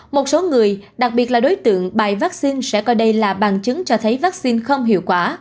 một số người đặc biệt là đối tượng bài vaccine sẽ coi đây là bằng chứng cho thấy vaccine không hiệu quả